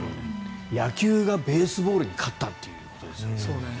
野球がベースボールに勝ったということですよね。